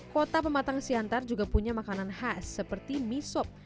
kota pematang siantar juga punya makanan khas seperti mie sop